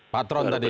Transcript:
patron tadi ya